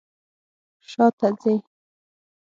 شاته ځئ